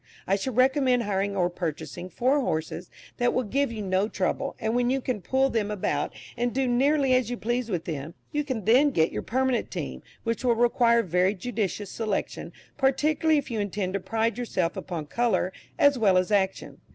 I should recommend hiring or purchasing four horses that will give you no trouble, and when you can pull them about, and do nearly as you please with them, you can then get your permanent team, which will require a very judicious selection, particularly if you intend to pride yourself upon colour as well as action.